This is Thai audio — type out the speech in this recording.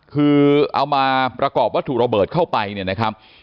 คือเอามาประกอบวัตถุระเบิดเข้าไปเนี่ยนะครับ